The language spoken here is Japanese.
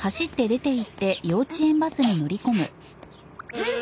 えっ？